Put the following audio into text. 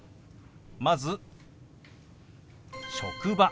まず「職場」。